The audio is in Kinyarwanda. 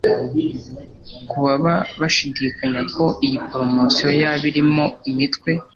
Ku baba bashidikanya ko iyi poromosiyo yaba irimo imitwe